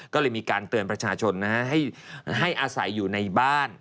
ก็เลยมีการเตือนประชาชนนะฮะให้อาศัยอยู่ในบ้าน